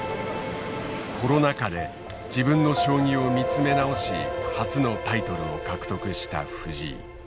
コロナ禍で自分の将棋を見つめ直し初のタイトルを獲得した藤井。